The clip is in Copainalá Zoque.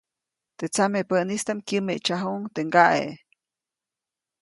Teʼ tsamepäʼnistaʼm kyämeʼtsajuʼuŋ teʼ ŋgaʼe.